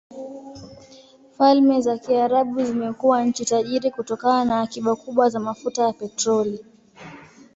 Falme za Kiarabu zimekuwa nchi tajiri kutokana na akiba kubwa za mafuta ya petroli.